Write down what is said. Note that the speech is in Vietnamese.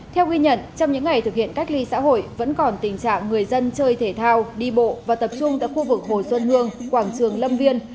theo ghi nhận trong những ngày thực hiện cách ly xã hội vẫn còn tình trạng người dân chơi thể thao đi bộ và tập trung tại khu vực hồ xuân hương quảng trường lâm viên